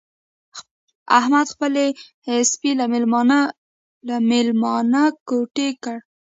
احمد خپل سپی له مېلمانه نه کوتې کړ.